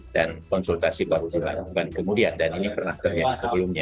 dan konsultasi baru dilakukan kemudian dan ini pernah terjadi sebelumnya